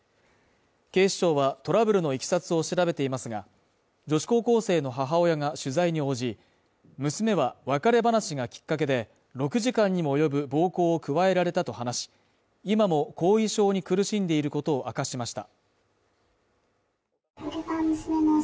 警視庁は、トラブルの経緯を調べていますが、女子高校生の母親が取材に応じ、娘は別れ話がきっかけで、６時間にも及ぶ暴行を加えられたと話し、今も後遺症に苦しんでいることを明かしました。